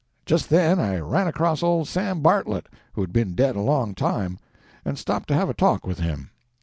Just then I ran across old Sam Bartlett, who had been dead a long time, and stopped to have a talk with him.